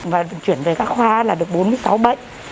và chuyển về các khoa là được bốn mươi sáu bệnh